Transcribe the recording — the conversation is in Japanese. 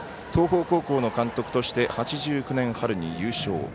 東邦高校の監督として８９年の春に優勝。